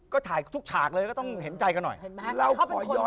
ก็ถ่ายทุกฉากเลยก็ต้องเห็นใจกันหน่อย